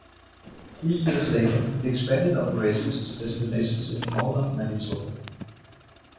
Three years later, it expanded operations to destinations in northern Manitoba.